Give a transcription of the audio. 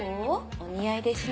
お似合いでしょ。